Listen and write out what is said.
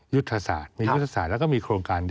ยุทธศาสตร์มียุทธศาสตร์แล้วก็มีโครงการ